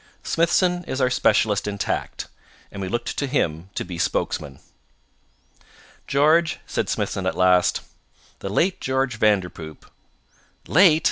Smithson is our specialist in tact, and we looked to him to be spokesman. "George," said Smithson at last, "the late George Vanderpoop " "Late!"